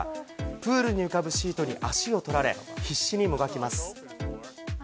プールに浮かぶシートに足を取られ、必死にもがきます。